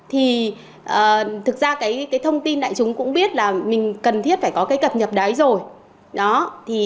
thì thực ra cái thông tin đại chúng cũng biết là mình cần thiết phải có cái cập nhật đấy rồi